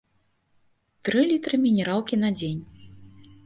Тры літры мінералкі на дзень.